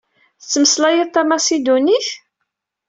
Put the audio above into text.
Tettmeslayeḍ tamasidunit?